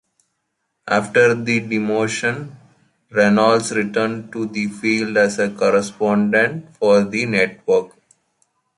After the demotion, Reynolds returned to the field as a correspondent for the network.